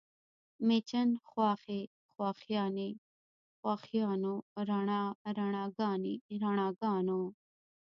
مېچن، خواښې، خواښیانې، خواښیانو، رڼا، رڼاګانې، رڼاګانو